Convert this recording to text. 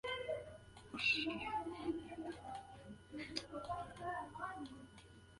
په نولسمه پېړۍ کې لېبرالیزم په امریکا او اروپا کې کارول کېده.